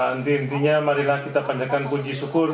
nanti intinya marilah kita panjakan puji syukur